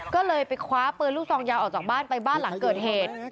ก็เลยไปคว้าปืนลูกซองยาวออกจากบ้านไปบ้านหลังเกิดเหตุ